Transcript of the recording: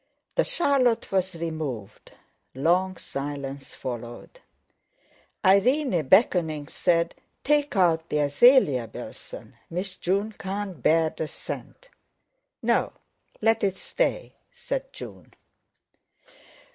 The charlotte was removed. Long silence followed. Irene, beckoning, said: "Take out the azalea, Bilson. Miss June can't bear the scent." "No; let it stay," said June.